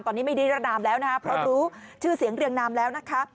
ตอนนี้ไม่นิรนามแล้วนะคะเพราะรู้ชื่อเสียงเรียงนามแล้วนะคะ